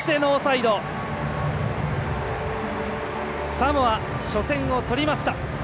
サモア初戦を取りました。